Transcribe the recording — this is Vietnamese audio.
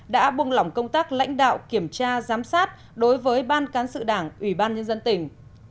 đã buông lỏng công tác lãnh đạo kiểm tra giám sát đối với ban cán sự đảng ubnd tỉnh